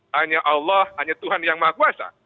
hanya allah hanya tuhan yang maha kuasa